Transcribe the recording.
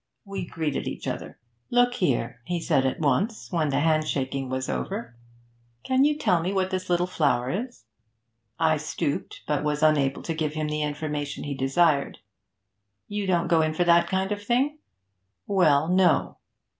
We greeted each other. 'Look here,' he said at once, when the handshaking was over, 'can you tell me what this little flower is?' I stooped, but was unable to give him the information he desired. 'You don't go in for that kind of thing?' 'Well, no.'